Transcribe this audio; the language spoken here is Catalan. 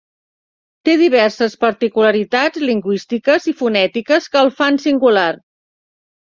Té diverses particularitats lingüístiques i fonètiques que el fan singular.